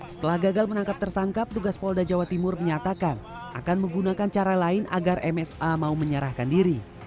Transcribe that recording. setelah gagal menangkap tersangka petugas polda jawa timur menyatakan akan menggunakan cara lain agar msa mau menyerahkan diri